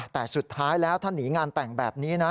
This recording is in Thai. แต่สุดท้ายแล้วถ้าหนีงานแต่งแบบนี้นะ